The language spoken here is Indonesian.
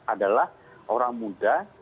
adalah orang muda